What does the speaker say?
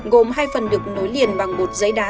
gồm hai phần được nối liền bằng bột giấy đá